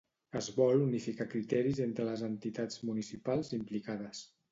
Es vol unificar criteris entre les entitats municipals implicades.